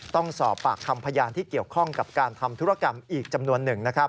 ต้องสอบปากคำพยานที่เกี่ยวข้องกับการทำธุรกรรมอีกจำนวนหนึ่ง